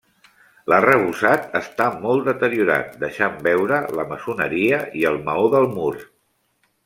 L'arrebossat està molt deteriorat, deixant veure la maçoneria i el maó del mur.